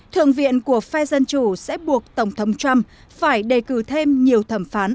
thượng viện của phe dân chủ sẽ buộc tổng thống trump phải đề cử thêm nhiều thẩm phán